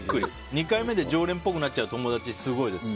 ２回目で常連っぽくなっちゃう友達すごいです。